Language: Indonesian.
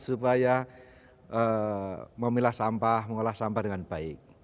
supaya memilah sampah mengolah sampah dengan baik